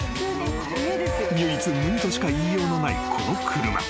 ［唯一無二としか言いようのないこの車］